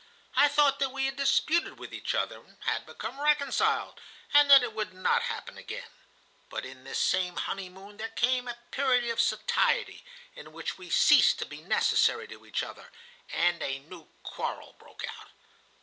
I thought that we had disputed with each other, and had become reconciled, and that it would not happen again. But in this same honeymoon there came a period of satiety, in which we ceased to be necessary to each other, and a new quarrel broke out.